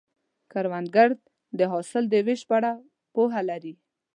کروندګر د حاصل د ویش په اړه پوهه لري